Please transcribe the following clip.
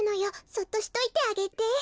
そっとしといてあげて。